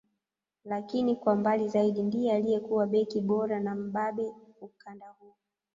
Lakini kwa mbali zaidi ndiye aliyekuwa beki bora na mbabe ukanda huu